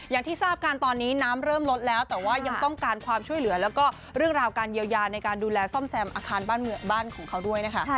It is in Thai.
อย่างที่ทราบกันตอนนี้น้ำเริ่มลดแล้วแต่ว่ายังต้องการความช่วยเหลือแล้วก็เรื่องราวการเยียวยาในการดูแลซ่อมแซมอาคารบ้านเมืองบ้านของเขาด้วยนะคะ